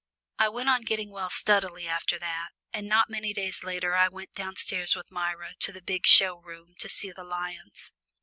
I went on getting well steadily after that, and not many days later I went downstairs with Myra to the big show room to see the lions.